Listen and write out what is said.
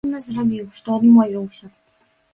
Разумна зрабіў, што адмовіўся.